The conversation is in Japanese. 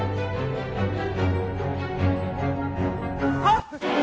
あっ！